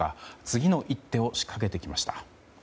次の一手を仕掛けてきました。